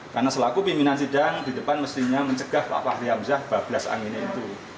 karena selaku pimpinan sidang di depan mestinya mencegah pak fahri hamzah babilas angin itu